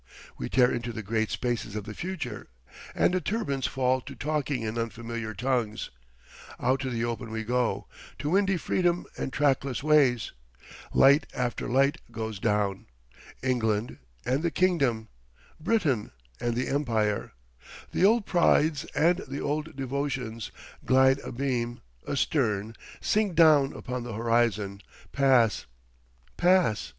We tear into the great spaces of the future and the turbines fall to talking in unfamiliar tongues. Out to the open we go, to windy freedom and trackless ways. Light after light goes down. England and the Kingdom, Britain and the Empire, the old prides and the old devotions, glide abeam, astern, sink down upon the horizon, pass—pass.